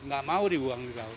nggak mau dibuang di laut